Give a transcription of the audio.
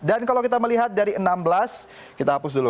dan kalau kita melihat dari enam belas kita hapus dulu